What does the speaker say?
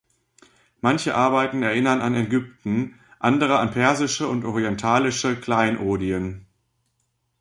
Manche Arbeiten erinnern an Ägypten, andere an persische und orientalische Kleinodien.